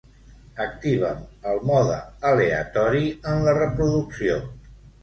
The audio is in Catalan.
Activa'm el mode aleatori en la reproducció.